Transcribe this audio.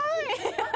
アハハハ！